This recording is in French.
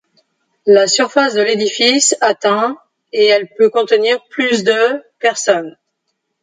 La surface de l'édifice atteint et elle peut contenir plus de personnes.